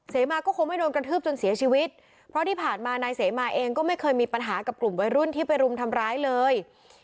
เสมาก็คงไม่โดนกระทืบจนเสียชีวิตเพราะที่ผ่านมานายเสมาเองก็ไม่เคยมีปัญหากับกลุ่มวัยรุ่นที่ไปรุมทำร้ายเลย